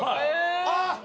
あっ！